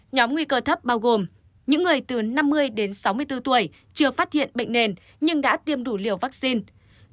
nhóm nguy cơ thấp bao gồm những người từ năm mươi đến sáu mươi bốn tuổi chưa phát hiện bệnh nền nhưng đã tiêm đủ liều vaccine